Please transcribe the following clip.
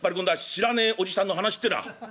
知らねえおじさんの話ってのは」。